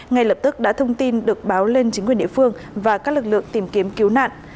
ngay lập tức đã thông tin được báo lên chính quyền địa phương và các lực lượng tìm kiếm cứu nạn